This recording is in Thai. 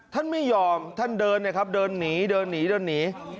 ท่านไม่ยอมท่านเดินนะครับเดินหนี